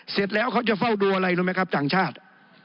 เสร็จแล้วเขาจะเฝ้าดูอะไรรู้ไหมครับต่างชาติ